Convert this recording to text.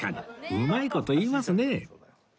うまい事言いますね